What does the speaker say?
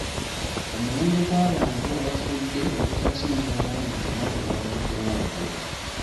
Omuwendo gw'abantu abafudde ogukyasinze obungi mu lunaku gwabaddewo ggulo.